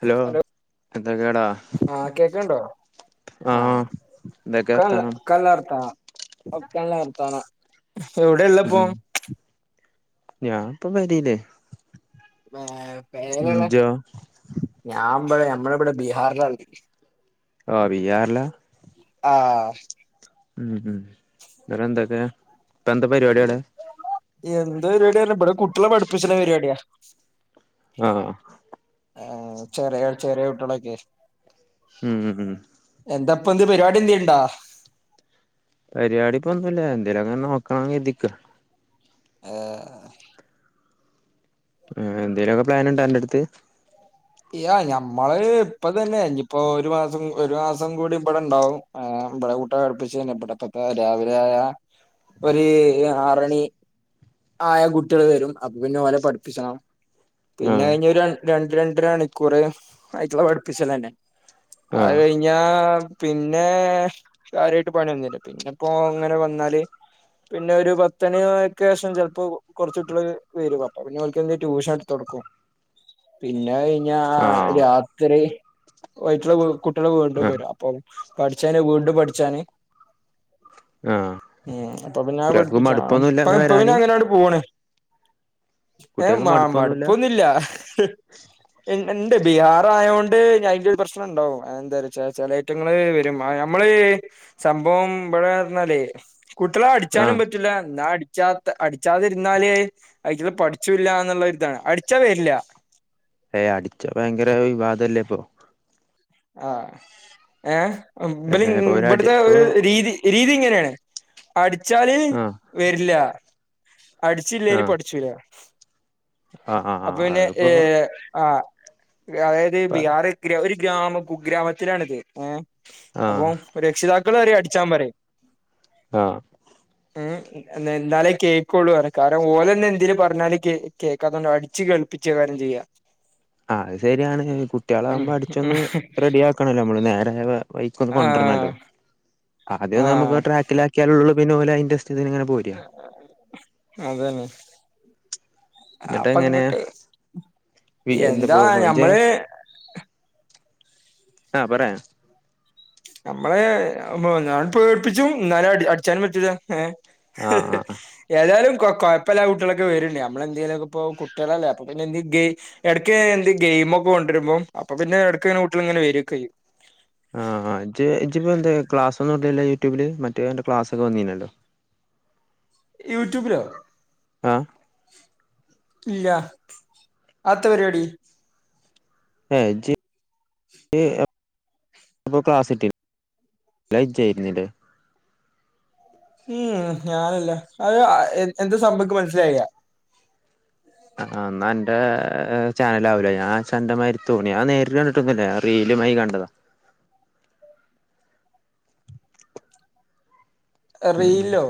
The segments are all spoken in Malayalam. ഹലോ എന്താ കേടാ ആഹ് കേക്കണ്ടോ ആഹ എന്ധെക്കെ വർത്താനം ക്കല്ലാഇർത്താന ഒക്കല്ലാർത്താന ഉം ഞാൻ ഇപ്പ പെരില് പേ പേരള്ള ഇജ്ജോ ഞാൻ ഇവിടെ ഞമ്മള ഇവിടെ ബീഹാറിലാള്ള ഓ ബിഹാറില ആഹ ഉം ഉ നിട്ട് എന്തൊക്കെയ ഇപ്പൊ എന്താ പരിപാടിഅവിടെ എന്ത് പരിപാടിയന്ന ഇവിടെ കുട്ടികളെ പഠിപ്പിച്ന്ന പരിപാടിയാ ആഹ ആഹ ചെറിയ ചെറിയ കുട്ടളൊക്കെ ഉം ഉ എന്താപ്പ ന്ത് പരിപാടി എന്ധെയുണ്ടാ പരിപാടി ഇപ്പൊന്നുല്ല എന്തേലും ക്കെ ങ്ങനെ നോക്കണം കേർതിക്ക ഹെ ആ എന്തേലെക്കെ പ്ലൻ ഇന്ന്ണ്ട അന്റെറ അടുത്ത് യാ ഞമ്മള് ഇപ്പ തന്നെ ഇന്നിഇപ്പോ ഒരു മാസം ഒരു മാസം കൂടി ഇവടെ ഇണ്ടാവും ആ ഇവടെ കൂട്ട പടിപ്പിച്ച്ന്നെ ഇവിടെത്തെ രാവിലെ ആയ ഒരു ആറണി ആയാ കുട്ടികൾ വരും അപ്പൊ പിന്നെ ഓലെ പഠിപ്പിച്ചണം പിന്നെ ആഹ് കഴിഞ്ഞ ഒരു രണ്ട് രണ്ടര മണിക്കൂറ് ആയിറ്റളെ പഠിപ്പിച്ചല്ലന്നെ അഹ് ആഹ് കഴിഞ്ഞ പിന്നെ കാര്യയിട്ട് പണിന്നില്ല പിന്നെപ്പോ ങ്ങനെ വന്നാല് പിന്നെ ഒരു പത്തന ഒക്ക ശേഷം ചിലപ്പോ കുറച്ചു കൂട്ടിൾ വരും അപ്പ പിന്നെ ഓല്ക്ക് എന്തലും ട്യൂഷൻ എടുത്ത് കൊടുക്കും പിന്നെ അത് കഴിഞ്ഞ ആഹ് രാത്രി അയിറ്റൾ കുട്ടികള് വീണ്ടും ആഹ് വരും അപ്പൊ പഠിച്ചാന് വീണ്ടും പഠിച്ചാന് ആഹ് ഉ അപ്പൊ പിന്ന കുട്ടികൾക്ക് മടുപ്പൊന്നുല്ല പഠിപ്പിച്ചപ്പ അങ്ങനെ ഇപ്പൊ വരാന് പിന്നെ അങ്ങനെ പോണ ഏഹ് കുട്ടികൾക്ക് മാ മടുപ്പൊന്നുല്ല മടുപ്പൊന്നുംല്ല ഉണ്ട് ബിഹാറ ആയതോണ്ട് ഞാൻ അയിന്റെ ഒരു പ്രശ്നുണ്ടാ എന്താച്ചാ ചിലറ്റങ്ങള് വരും നമ്മള് സംഭവം ഇവിടെന്നാലേ കുട്ടിളെ ആഹ് അടിച്ചാനും പറ്റൂല്ല എന്നാ അടിച്ചാത്ത അടിച്ചാതിരുന്നാലേ അയിറ്റിങ്ങള് പഠിച്ചുല്ല എന്നുള്ളരിതാ അടിച്ചാ വരില്ല ഏയ് അടിതു ഭയങ്കര വിവാദല്ലേ ഇപ്പൊ ആ ഏ ബ്ര് ഏഹ് ഇപ്പൊ ഒരടി ഇബ്ടുത്തെ ഇപ്പൊ ഒരു രീതി രീതി ഇങ്ങനെയാണ് അടിച്ചാല് ആഹ് വരില്ല അടിച്ചില്ലേല് ആഹ് പഠിച്ചൂലാ ആഹ് അപ്പൊ ആഹ് പിന്നെ ഏ അതിപ്പോ ആ അതായത് ബിഹാർ ഗ്രാ ഒരു ഗ്രാമം കുഗ്രാമത്തിലാണിത് ഏ ആഹ് അപ്പോം രക്ഷിതാക്കള് വരെ അടിച്ചാൻ പറയും ആഹ് ഏഹ് എന്നെന്താലേ കേക്കോള്ളു പറ കാരണം ഓലന്നെ എന്തേലും പറഞ്ഞാല് കേ കേക്കാത്തകൊണ്ട് അടിച്ച് കേൾപ്പിച്ച് കാര്യം ചെയ്യാം അ അത് ശരിയാണ് കുട്ടികളാകുമ്പോ അടിച്ചൊന്ന് റെഡി ആക്കണല്ലോ നമ്മള് നേരെ ഹെ വയിക്കൊന്ന് ആഹ് കൊണ്ടുവരണല്ലോ ആദ്യം നമുക്ക് ആഹ് ട്രാക്കിലാക്കിയാലുള്ളൂ പിന്നെ ഓലെ അയിന്റെ സ്ഥിതിലിങ്ങനെ അതന്നെ എന്നിട്ട് അപ്പ എങ്ങനെ ഇങ്ങട്ട് എന്താ ഞമ്മള് ആ പറേ ഞമ്മളെ ആവുമ്പം ഞാ പേടിപ്പിച്ചു ന്നാലും അടി അടിച്ചാനും പറ്റൂല്ല ഏ ആഹ് ആഹ് ഏതായാലും കൊ കൊഴപ്പല്ല കുട്ടികളെക്കെ വരെണ്ട് നമ്മളെന്തെ യ്യാനാകുപ്പം കുട്ടികളല്ലേ അപ്പം പിന്നെ എന്ത് ഗേയ് ഇടയ്ക്ക് എന്ത് ഗെയിമൊക്കെ കൊണ്ടരുമ്പം അപ്പ പിന്നെ എടക്ക്ങ്ങനെ കുട്ടികളിങ്ങനെ വരു ഒക്കെയ്യും ആ ജ് ജ്ജിപ്പ എന്തെ ക്ലാസൊന്നും ഇടല്ലെ യൂട്യൂബില് മറ്റേ ന്റെ ക്ലാസൊക്കെ വന്നീനല്ലോ യൂട്യൂബിലോ ആഹ് ഇല്ല അത്ത പരിപാടി എ ജ് യ്‌ എ അപ്പോൾ ക്ലാസ്ട്ടിയോ ലൈക്ക് ചെയ്യുന്നില്ലെ ഉം ഞാനല്ല അത് അ എന്താ സംഭക്ക് മനസ്സിലായില്ല ആ എന്നാ ന്റെ ചാനലാവൂല ഞാൻ ച്ഛന്റെ മാരി തോന്നി ഞാൻ നേരിട്ട് കണ്ടിട്ടൊന്നുല്ല ഞാ റീലുമായി കണ്ടതാ ഉം റീൽലോ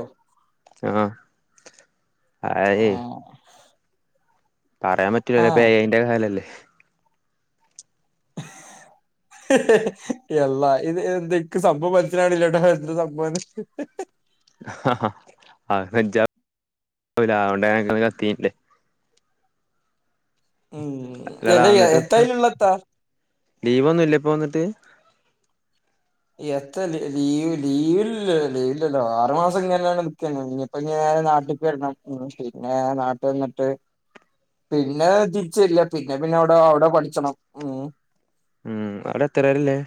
ആഹ് ഹായി പറയാൻ പറ്റൂല ആ ഇപ്പൊ എ ഐന്റെ കാലല്ലേ യെള്ളാ ഇത് എന്താ ക്ക് സംഭവം മനസിലാവണില്ലാട്ടോ എന്ത് സംഭവന്ന് ആ അഹ് നെഞ്ചാം അതിലാവണ്ടേ ങ്ങള് ഹക്കീം ലെ ഉം അല്ലടാ ഇപ്പ തെലയെത്തായലുള്ളത്താ ലീവൊന്നുയില്ലെ ഇപ്പോ എന്നിട്ട് എത്ത ലീ ലീവ് ലീവില്ല ലീവില്ലല്ലോ ആറു മാസം ഇങ്ങനാണ് നിക്ക ഞാനിനി ഇപ്പൊ ഞാൻ നാട്ടിക്ക് വരണം മ് പിന്നെ നാട്ടി വന്നിട്ട് പിന്നെ തിരിച്ച് വരില്ല പിന്നെ പിന്നെ അവിടെ അവിടെ പഠിച്ചണം മ് ഉം അവിടെ എത്ര പേരിള്ളേ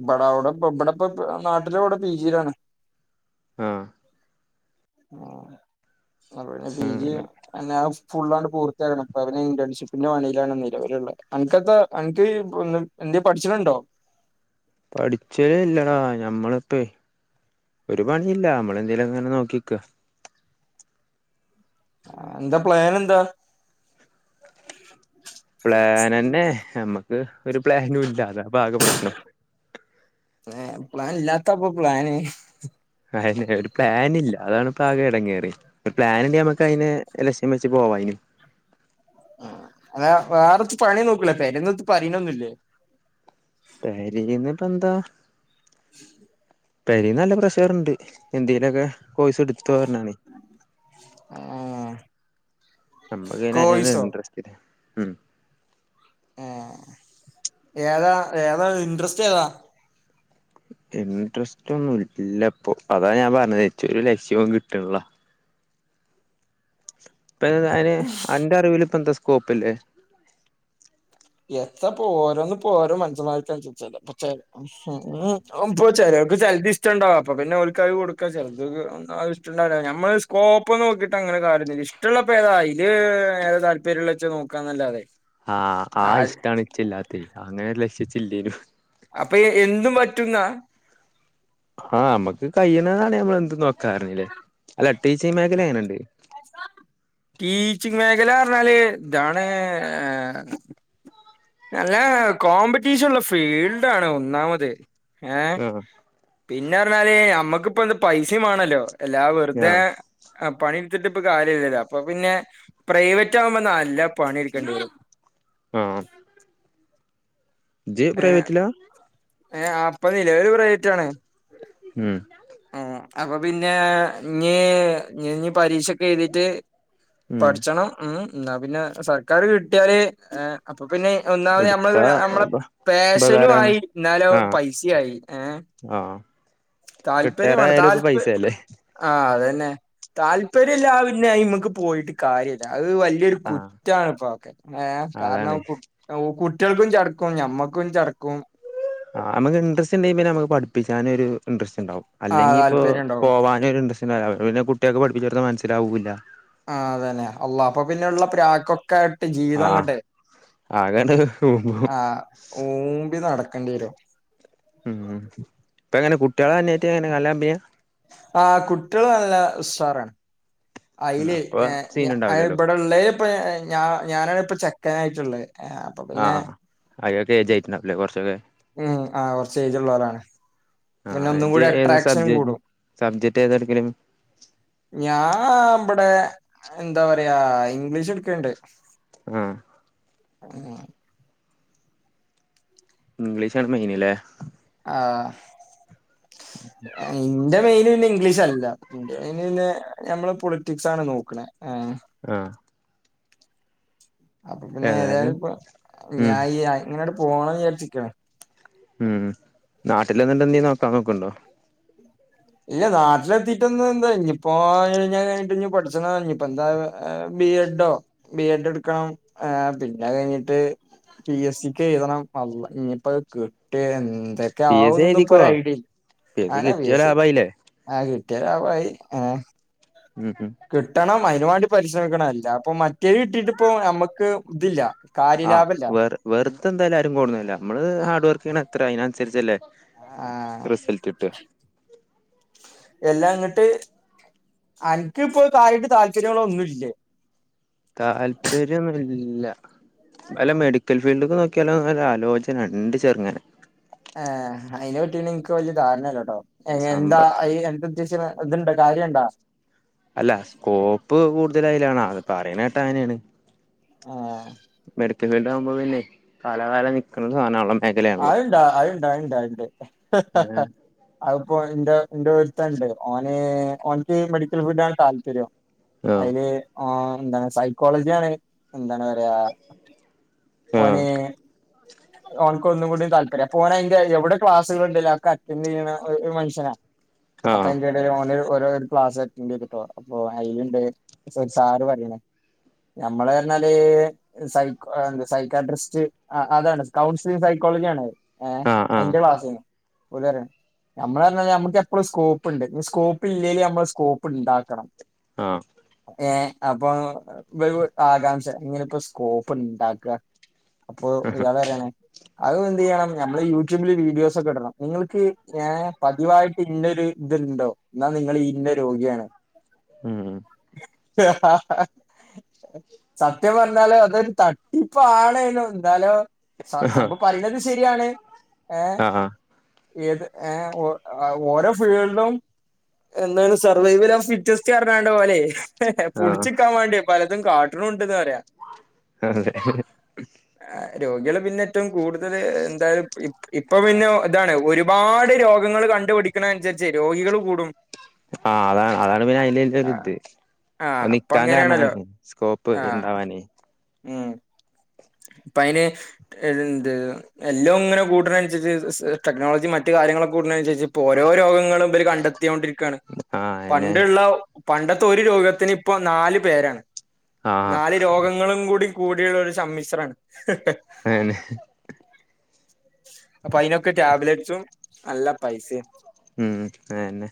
ഇബടെ അവടെ ബ ഇബ്ടെ ബബ് നാട്ടിലിവിടെ പി ജിലാണ് ആഹ് ആ അവിടെ പി ജി അങ്ങനെ യ്യെണം എനാഫ് ഫുള്ളാണ് പൂർത്തിയാക്കണം ഇപ്പ അവന് ഇന്റേൺഷിപ്പിന്റെ പണിയിലാണ് നിലവിലുള്ളെ അനക്കപ്പൊ അനക്ക് പുള്ളും എന്തേ പഠിച്ചിണുണ്ടോ പഠിച്ചേ എല്ലടാ ഞമ്മള്പ്പേ ഒരു പണില്ല നമ്മളെന്തേലും ങ്ങനെ നോക്കിക്ക. ന്താ പ്ലാൻ എന്താ? പ്ലാനന്നെ നമ്മക്ക് ഒരു പ്ലാനും ഇല്ലാ അതാ പ്പാകെ പ്രശ്നം. പ്ല പ്ലാൻ ഇല്ലാത്തപ്പൊ പ്ലാന്. അതെന്നെ ഒരു പ്ലാനില്ല അതാണ് ഇപ്പ ആകെ എടങ്ങേറ് ഒരു പ്ലാൻണ്ടെങ്കി നമ്മക്ക് അയ്നെ എ [unintelligible] പോവായിനു അല്ല വേറെത്തു പണി നോക്കൂലേ. പരേന്ന് എത്തും പറിണൊന്നുല്ലേ? പെരേന്ന് ഇപ്പ എന്താ [inaudible] പെരേന്ന് നല്ല പ്രഷർ ണ്ട് എന്തേലൊക്കെ കോഴ്സ് ട്ത്തോ ർഞ്ഞാണ്. ആഹ് നമ്മക്ക് പിന്നെ അയ്ന് ഇൻട്രസ്റ്റ് ഇല്ല ഉം ഏഹ് ഏതാ ഏതാ ഇൻട്രസ്റ്റ് ഏതാ? ഇൻട്രസ്റ്റ് ഒന്നും ല്ലപ്പൊ അതാ ഞാൻ പറഞ്ഞത് ഇച്ച് ഒരു ലക്ഷ്യവും കിട്ട്ള്ള. ഇപ്പ അതിന് അന്റെ അറിവിൽ പ്പ എന്താ സ്കോപ്പ്ല്ലേ? എത്താപ്പോ ഓരോന്ന് പോ ഓരോ മൻസന്മാര്ക്ക് അൻസരിച്ചല്ലേ. പുച്ചേ അഹ്പ്പോ ചെലർക്ക് ചെൽത് ഇഷ്ടണ്ടാവും അപ്പൊ പിന്നെ ഓല്ക്ക് അത് കൊടുക്കാ [unintelligible] ഇഷ്ടണ്ടാവുല്ല നമ്മള് സ്കോപ്പ് നോക്കിയിട്ട് അങ്ങനെ കാര്യല്ല. ഇഷ്ടള്ളപ്പോ ഏതാ അയില് ഏതാ താല് [unintelligible] നോക്കാന്നല്ലാതെ. ആഹ് ആ ഇഷ്ടാണ് ഇച്ച് ഇല്ലാത്തെ അങ്ങനെ ലക്ഷ്യ ഇച്ചില്ലേനു. അപ്പൊ എന്തും പറ്റുന്നാ? ആഹ് മ്മക്ക് കയ്യുന്നതാണെ ഞമ്മൾ എന്തും നോക്കാ പറഞ്ഞില്ലേ. അല്ല ടീച്ചേ മേഖല എങ്ങനെണ്ട്? ടീച്ചിങ് മേഖല ർഞ്ഞാല് താണ് ഹേ നല്ല കോമ്പറ്റീഷൻ ഉള്ള ഫീൽഡ് ആണ് ഒന്നാമത് ഏഹ് ആഹ് പിന്നെ ർഞ്ഞാല് നമ്മക്ക്പ്പോ എന്ത് പൈസിം വേണല്ലോ എല്ലാ വെർതെ ആഹ് ആ പണി ട്ത്തിട്ട് പ്പൊ കാര്യല്ലല്ലോ അപ്പൊ പിന്നെ പ്രൈവറ്റ് ആവുമ്പോ നല്ല പണിട്ക്കേണ്ടി വരും. ആഹ് ഇജ്ജ് പ്രൈവറ്റ്ല? ഏഹ് ആഹ് പ്പ നിലവില് പ്രൈവറ്റ് ആണ്. ഉം ആ അപ്പൊ പിന്നെ ഞ്ഞി ഞ്ഞ് പരീക്ഷൊക്കെ എഴ്തിട്ട് ഉം പഠിച്ചണം ഉം ന്നാ പിന്നെ സർക്കാർ കിട്ടിയാല് ഏഹ് അപ്പൊ പിന്നെ ഒന്നാമത് നമ്മള് എടുത്താ നമ്മളെ ഉപ പാഷനും ഉപകാരാണ് ആയി ന്നാലോ ആഹ് പൈസയി ഏഹ്. ആഹ് റിട്ടയർ താല്പര്യമാണം ആയാലും ഇപ്പൊ താൽപ പൈസയല്ലേ ആഹ് അതന്നെ താല്പര്യം ഇല്ല പിന്നെയിമക്ക് പോയിട്ട് കാര്യല്ല അത് വ ഇതൊരു ആഹ് കുറ്റാണ്പ്പൊഹക്കെ ഏഹ് അതാണ് കാരണം കു കുട്ട്യൾക്കും ചട്ക്കും നമ്മ ൻക്കും ചട്ക്കും. ആ നമ്മക്ക് ഇൻട്രസ്റ്റ് ണ്ടെങ്കി പിന്നെ നമക്ക് പഠപ്പിച്ചാനൊരു ഇൻട്രസ്റ്റ് ണ്ടാവും. ആഹ് അല്ലെങ്കി ഇപ്പോ താല്പര്യം ഉണ്ടാവും പോവാനൊരു ഇൻട്രസ്റ്റ് ണ്ടാവൂല അവര് പിന്നെ കുട്ട്യേക്ക് പഠിപ്പിച്ച് കൊടുത്ത മൻസ്സിലാവൂല്ല. ആ അതന്നെ അള്ള അപ്പൊ പിന്നെള്ള പ്രാക്കൊക്കെ. ആ ജീവിതങ്ങോട്ട് ആകണ്ട് പോകും. ആഹ് ഊമ്പി നടക്കണ്ടി വരും. ഉം ഇപ്പ ങ്ങനെ കുട്ട്യളെ [unintelligible] ങ്ങനെ നല്ല കമ്പനിയാ? ആഹ് കുട്ട്യൾ നല്ല ഉസ്സാറാണ് അയിൽ അപ്പൊ ഏഹ് സീൻ ഞ അ ഉണ്ടാവില്ലല്ലോ ഇവടെ ഇള്ളേൽ ഇപ്പ ഞ ഞാനാണ് ഇപ്പ ചെക്കനായിട്ട്ള്ളേ. ആഹ് അയൊക്കെ എയ്ജായിട്ടുണ്ടവുല്ലേ കൊർച്ചൊക്കെ? ഉം ആഹ് കൊർച്ച് എയ്ജ് ഉള്ളോലാണ്. പിന്നെ ആഹ് ഒന്നും ഇജ് കൂടി ഏത് അട്രാക്ഷൻ സബ്ജക്ട് കൂടും സബ്ജക്ട് ഏതാ എടുക്കൽ? ഞാ ആം ഇബെടെ എന്താ പറയാ ഇംഗ്ലീഷ് ഇട്ക്ക്ണ്ട് ഉം ഉം ഉം ഇംഗ്ലീഷാണ് മെയിൻ ലെ ആഹ് ഇന്റെ മെയിന് പിന്നെ ഇംഗ്ലീഷ് അൽ ഇല്ലാ ഇന്റർവ്യൂന് പിന്നെ ഞമ്മെൾ പൊളിറ്റിക്സ് ആണ് നോക്ക്ണെ ഏഹ് ആഹ് അപ്പ പിന്നെ ഏതായാലും ഇപ്പം ഉം ഞാ ഈ ആയി ഇങ്ങനെ ആട്ട് പോണം വിചാര്ച്ച് ഇക്കാണ് ഉം നാട്ടിൽ നിന്ന്ട്ട് എന്തെം നോക്കാൻ നോക്ക് ഇണ്ടോ? ഇല്ല നാട്ട്ൽ എത്തിട്ടൊന്ന് എന്താ ഇഞ്ഞ് ഇപ്പോ അയ് കഴ്ഞ്ഞാ കഴ്ഞ്ഞ്ട്ട് ഇഞ്ഞ് പഠിച്ചെണം ഇഞ്ഞ് ഇപ്പം എന്താ ആവാ ഏഹ് ബി എഡോ? ബി എഡ് ഇട്ക്കെണം ഏഹ് പിന്നെ അയ് കഴിഞ്ഞ്ട്ട് പി എസ് സിക്ക് എഴുതെണം അള്ളാ ഇഞ്ഞ് ഇപ്പ അയ് കിട്ടെ എന്തെ ത്തെം പി എസ് സി ആവുന്നൊന്നും ഇപ്പ ഒര് എഴുതിക്കോ ഐഡിം ഇല്ലാ എസ് സി അയെന്നെ പി കിട്ടിയാ എസി ലാഭായില്ലേ അഹ് കിട്ടിയാ ലാഭായി ഏഹ് ഉം ഉം കിട്ടെണം അയിന് വാണ്ടി പരിശ്രമിക്കെണം അല്ലാ ഇപ്പം മറ്റെത് കിട്ടീട്ട് ഇപ്പം ഞമ്മെക്ക് ഇത് ഇല്ലാ ആഹ് വെറ് വെറുതെ എന്തായാലും ആരും കൊട്ന്നെര്ലാ നമ്മെൾ ഹാർഡ് വർക്ക് ചെയ്യ്ണെ എത്രെ അയ്ന് അന്സെര്ച്ച് അല്ലെ? ആഹ് റിസെൽട്ട് കിട്ടാ എല്ലാ ഇന്നെട്ട് അന്ക്ക് ഇപ്പോ കാര്യായിട്ട് താല്പര്യങ്ങൾ ഒന്നും ഇല്ലെ? താല്പര്യം ഒന്നും ഇല്ല വല്ല മെഡിക്കെൽ ഫീൽഡ്ക്കും നോക്കിയാലോ എന്ന ഒരു ആലോചെന ഇണ്ട് ചെറ്ങ്ങനെ എഹ് അയിനെ പറ്റിയൊന്നും ഇൻക്ക് വല്ല്യ ധാരണ ഇല്ലട്ടോ ഏഹ് ഇഞ്ഞ് സംഭ എന്താ അയി എന്താ ഉദ്ദേഷ്ച്ച്നെ ഇത് ഇണ്ടോ? കാര്യം ഇണ്ടോ? അല്ല സ്കോപ്പ് കൂട്തെൽ അയിലാണ് അത് പറിണെട്ടെ അങ്ങനെയെണ് ഏഹ് മെഡിക്കൽ ഫീൽഡ് ആവുമ്പോ പിന്നെ കാലകാലം നിക്ക്ണ സാനാ ആണല്ലോ അഹ് ഇണ്ട് അഹ് ഇണ്ട് അഹ് ഇണ്ട് അഹ് ഇണ്ട് ഏഹ് അഹ് ഇപ്പോ ഇന്റെ ഇന്റെ ഒര്ത്തെൻ ഇണ്ട് ഓന് ഓന്ക്ക് മെഡിക്കെൽ ഫീൽഡാണ് താല്പര്യം അയിൽ ഓ എന്താണ് സൈക്കോളജി ആണ് എന്താണ് പറയാ ഓൻ ഓന് ക്ക് ഒന്നും കൂടിം താല്പര്യം അപ്പ ഓൻ അയിന്റെ എവിടെ ക്ലാസുകെൾ ഇണ്ടെലും അഹ് ഒക്കെ അറ്റെന്റ് ചെയ്യ്ണ ഒര് മൻഷെനാ അപ്പ ആഹ് അയിന്റെ എട് ഇപ്പ അയിൽ ഓന് ഒര് ഒരോ ക്ലാസ്സ് അറ്റെന്റ് ചെയ്ത്ട്ടോ അപ്പൊ അയിൽ ഇണ്ട് ഒര് സ സാർ പറിണ് ഞമ്മെൾ പർണാൽ സൈക്കോ സൈക്കാട്രിസ്റ്റ് അ അതാണ് കൗൺ സിലിങ്ങ് സൈക്കോളജി ആണ് അയ് ഏഹ് ആഹ് ആഹ് അയിന്റെ ക്ലാസെയിനി ഓൽ പറിയാണ് ഞമ്മെൾ പർണാ ഞമ്മെക്ക് എപ്പളും സ്കോപ്പ് ഇണ്ട് ഇഞ്ഞ് സ്കോപ്പ് ഇല്ലെലും ഞമ്മെൾ സ്കോപ്പ് ഇണ്ടാക്കെണം ആഹ് ഏഹ് അപ്പം ഇബെൽക്കും ആകാംക്ഷ എങ്ങനെ ഇപ്പോ സ്കോപ്പ് ഇണ്ടാക്കാ അപ്പൊ ഇയാൾ പറിയാണ് അയും എന്ത് ചെയ്യണം ഞമ്മെൾ യൂട്യൂബിൽ വീഡിയോസ് ഒക്കെ ഇടെണം നിങ്ങെൾക്ക് ഇങ്ങനെ പതിവായിട്ട് ഇതിന്റെ ഒര് ഇത് ഇണ്ടോ? ഇന്നാ നിങ്ങെൾ ഈ ഇന്നെ രോഗിയാണ് ഉം ഹ ഹ ഹ സത്യം പർണാൽ അതൊരു തട്ട് ആണെനും ഇന്നാലും ആഹ് സംഭവം പറിണെതും ശരിയാണ് ഏഹ് ആഹ് ത്തിയെത് ഏഹ് ഓ അഹ് ഓരോ ഫീൽഡും എന്താണ് സർവൈവൽഫ് ഫിറ്റ്നസ്റണാണ്ടോലെ ആഹ് പുട്ച്ച്ക്കാൻ വാണ്ടി പലതും കാട്ടുണുണ്ട്ന്ന് പറയാ [inaudible] രോഗ്യാള് പിന്നെ ഏറ്റവും കൂടുതൽ എന്തായാലും [unintelligible] ഇപ്പൊ പിന്നെ ഇതാണ് ഒരുപാട് രോഗങ്ങൾ കണ്ടുപടിക്കണനുസരിച്ച് രോഗികൾ കൂടും ആ അതാണ് അതാണ് പിന്നെ ആ അയ്ലോര്ത് ആ അ അപ്പൊ നിക്കാൻ അങ്ങനെയാണല്ലോ കാരണാണ് സ്കോപ്പ് ആ ണ്ടാവാന് ഉം ഇപ്പയ്ന് ഇതെന്ത് എല്ലയും ഇങ്ങനെ കൂട്ട്ണെ അന്സെര്ച്ച് സ് ടെക്നോളജി മറ്റെ കാര്യങ്ങളൊക്കെ കൂട്ണെയ് അൻസെര്ച്ച് ഇപ്പോ ഓരോ രോഗങ്ങളും ഇബെൽ കണ്ടെത്ത് ത്തിയോണ്ട് ഇരിക്കാണ് ആഹ് അയന്നെ പണ്ട് ഇള്ള പണ്ടത്തെ ഒര് രോഗത്തിന് ഇപ്പം നാൽ പേരാണ് ആഹ് നാല് രോഗങ്ങളും കൂടി കൂടിയ ഒരു സമ്മിശ്രാണ് ആണ് അപ്പൊ അയ്നൊക്കെ ടാബ്ലെറ്റ്സും നല്ല പൈസയും ഉം അന്നെ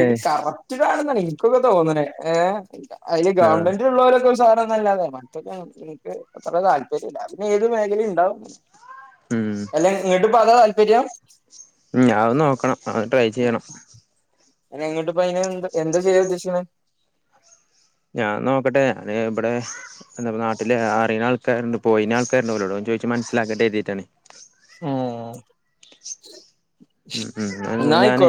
എ ജ്ജ് [unintelligible] തോന്ന്ണത് ഏ അയ്ല് ആഹ് ഗവൺമെന്റ്ള്ളോരൊക്കെ ഉഷാറാവുംന്നല്ലാതെ മറ്റെത് എൻ ഇൻക്ക് അത്ര താല്പര്യല്ല അത് പിന്നെ ഏത് മേഖലെണ്ടാവും ഉം അല്ല ന്ന്ട്ട് ഇപ്പോ അതാ താൽപര്യം ഉം അത് നോക്കണം അത് ട്രൈ ചെയ്യണം അല്ല ന്ന്ട്ട് പ്പൊ അയ്ന് എന്ത് എന്താ ചെയ്യാൻ ഉദേശിക്കുന്നത് ഞാൻ നോക്കട്ടെ ഞാൻഇബടെ എന്താ പ്പോ നാട്ടില് അറിയ്ണആൾക്കാര്ണ്ട് പോയിനാൾക്കാര്ണ്ട് ഓലോടൊന്ന് ചോയ്ച്ച് മനസ്സിലാക്കട്ടെ കരുതിട്ടാണ് ഏ ഉം ഉം ഞാനേ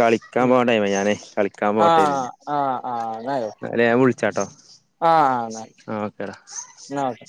കളിക്കാൻ പോണ്ണ ടൈമായി ഞാനേ കളിക്കാൻ പോട്ടെ ന്ന് ആഹ് കരുതിട്ടാ ആഹ് ആഹ് എന്നാ ഞാൻ വിളിച്ചാട്ടോ ആ ഓക്കെടാ ന്നൊക്കെ